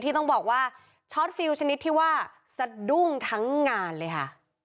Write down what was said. ต้องบอกว่าชอตฟิลชนิดที่ว่าสะดุ้งทั้งงานเลยค่ะ